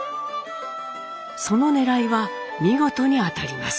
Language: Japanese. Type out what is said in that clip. そのねらいは見事に当たります。